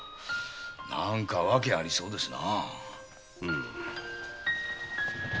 何か訳がありそうですな。